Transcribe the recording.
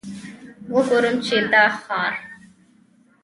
وګورم چې دا ښار.